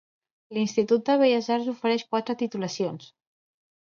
L'Institut de Belles Arts ofereix quatre titulacions.